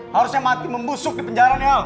harusnya mati membusuk di penjara nih al